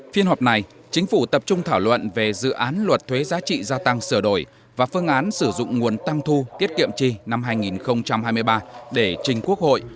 phiên họp này chính phủ tập trung thảo luận về dự án luật thuế giá trị gia tăng sửa đổi và phương án sử dụng nguồn tăng thu tiết kiệm chi năm hai nghìn hai mươi ba để trình quốc hội